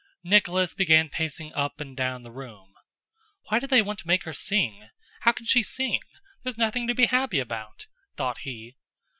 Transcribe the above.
Nicholas began pacing up and down the room. "Why do they want to make her sing? How can she sing? There's nothing to be happy about!" thought he.